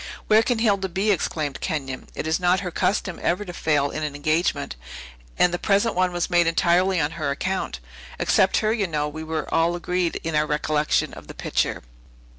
"Where can Hilda be?" exclaimed Kenyon. "It is not her custom ever to fail in an engagement; and the present one was made entirely on her account. Except herself, you know, we were all agreed in our recollection of the picture."